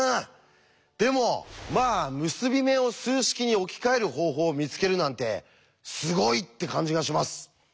でもまあ結び目を数式に置き換える方法を見つけるなんてすごいって感じがします。